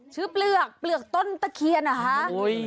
ชื่อเปลือกเปลือกต้นตะเกียรอะฮะ